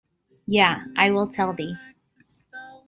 Yea, I will tell thee.